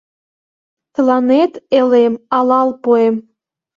Тыланет, элем, алал пуэм!